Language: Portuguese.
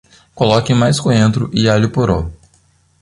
Coloque mais coentro e alho-poró